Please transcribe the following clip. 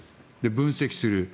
分析する。